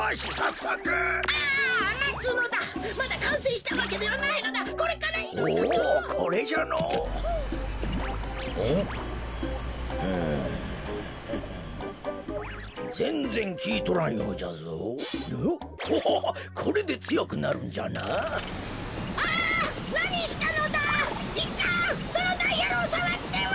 そのダイヤルをさわっては！